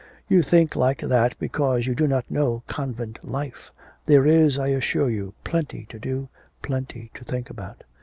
'You think like that because you do not know convent life. There is, I assure you, plenty to do, plenty to think about.'